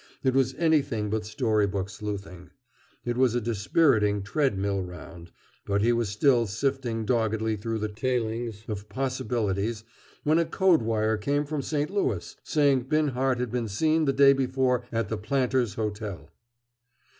It was anything but story book sleuthing. It was a dispiriting tread mill round, but he was still sifting doggedly through the tailings of possibilities when a code wire came from St. Louis, saying Binhart had been seen the day before at the Planters' Hotel.